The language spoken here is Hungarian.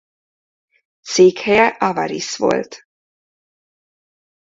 Székhelye Avarisz volt.